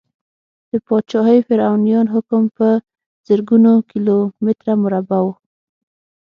د پاچاهي فرعونیانو حکم په زرګونو کیلو متره مربع و.